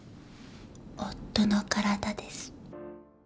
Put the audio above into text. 夫の体です。